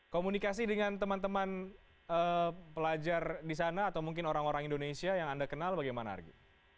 komunikasi dengan teman teman pelajar di sana atau mungkin orang orang indonesia yang anda kenal bagaimana argi